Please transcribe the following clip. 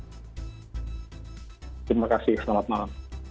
terima kasih selamat malam